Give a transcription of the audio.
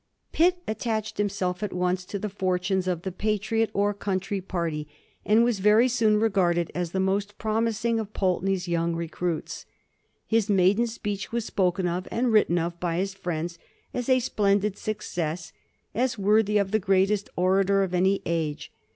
Pitt attached himself at once to the fortunes of the Patriot, or conntry; party, and was very soon regarded as the most promising of Pulteney's yoaug recruits. His maiden speech was spoken of and written of by his friends as a splendid suc cess, as worthy of the greatest orator of any age.